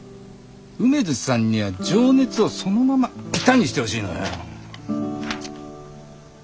梅津さんには情熱をそのまま歌にしてほしいのよ。